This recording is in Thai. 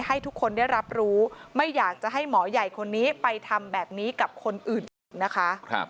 ให้ทุกคนได้รับรู้ไม่อยากจะให้หมอใหญ่คนนี้ไปทำแบบนี้กับคนอื่นอีกนะคะ